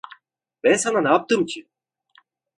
Ben sana ne yaptım ki?